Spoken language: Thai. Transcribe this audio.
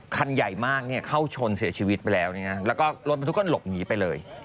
คันใหญ่มากเข้าชนเสียชีวิตไปแล้วแล้วก็รถบรรทุกก็หลบหนีไปเลย